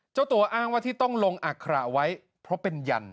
เจ้าตัวอ้างว่าที่ต้องลงอัคระไว้เพราะเป็นยัน